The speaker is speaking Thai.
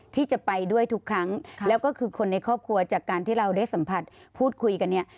ที่จะไปด้วยทุกครั้งแล้วก็คือคนในครอบครัวจากการที่เราได้สัมผัสพูดคุยกันเนี่ย